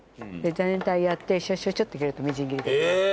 全体やってシュッシュッシュッて切るとみじん切りできます。